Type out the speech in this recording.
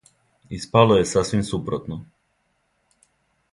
Испало је сасвим супротно.